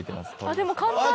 でも簡単に。